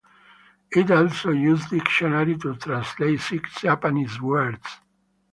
It also uses "dictionary" to translate six Japanese words.